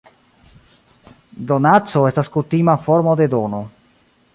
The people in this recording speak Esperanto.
Donaco estas kutima formo de dono.